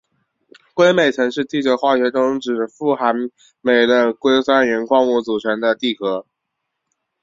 硅镁层是地球化学中指富含镁的硅酸盐矿物组成的地壳。